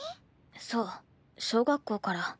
そう小学校から。